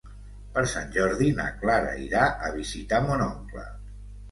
Per Sant Jordi na Clara irà a visitar mon oncle.